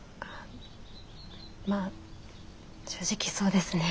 まあ正直そうですね。